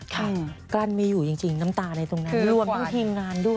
กลั้นมีอยู่จริงจริงน้ำตาในตรงนั้นรวมทั้งทีมงานด้วย